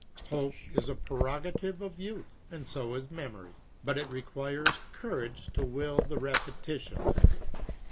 Hope is a prerogative of youth, and so is memory; but it re quires courage to will the repetition.